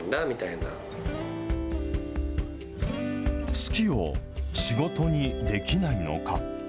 好きを仕事にできないのか。